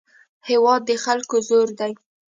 هېواد د خلکو زور دی.